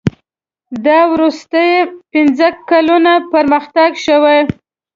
دا وروستي پنځه کلونه پرمختګ شوی.